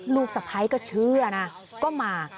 ลูกสะพ้ายก็เชื่อนะก็มา